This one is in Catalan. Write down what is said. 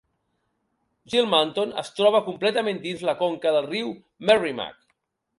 Gilmanton es troba completament dins la conca del riu Merrimack.